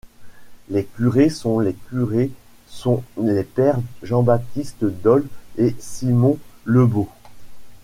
Les curés sont les curés sont les pères Jean-Baptiste Dole et Simon Lebeaud.